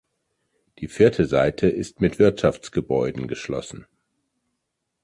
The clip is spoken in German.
Die vierte Seite ist mit Wirtschaftsgebäuden geschlossen.